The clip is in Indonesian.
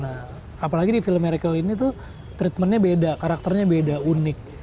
nah apalagi di film merical ini tuh treatmentnya beda karakternya beda unik